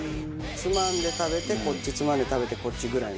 つまんで食べてこっちつまんで食べてこっちぐらいの。